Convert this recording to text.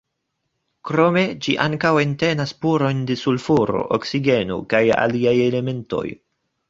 Krome ĝi ankaŭ entenas spurojn de sulfuro, oksigeno kaj aliaj elementoj.